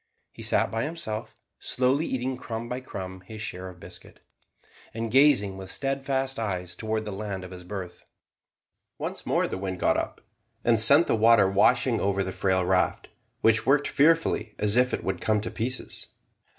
He sat by himself, slowly eating crumb by crumb his share of biscuit, and gazing with steadfast eyes towards the land of his birth. Once more the wind got up, and sent the water washing over the frail raft, which worked fearfully, as if it would come to pieces.